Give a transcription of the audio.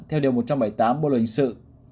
theo điều một trăm bảy mươi tám bộ luật hình sự